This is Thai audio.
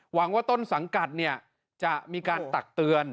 หวังว่าต้นสังกัดเนี่ยจะมีการตักเตือน